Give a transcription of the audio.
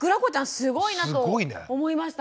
すごいなと思いました。